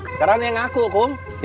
sekarang yang aku